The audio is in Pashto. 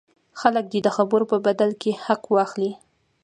خلک دې د خبرو په بدل کې حق واخلي.